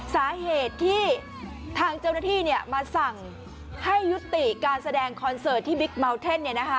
สาเหตุที่ทางเจ้าหน้าที่มาสั่งให้ยุติการแสดงคอนเสิร์ตที่บิ๊กเมาเท่น